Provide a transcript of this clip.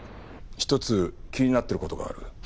一つ気になってる事がある。